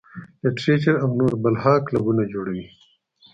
لټرېچر او نور بلها کلبونه جوړ وي -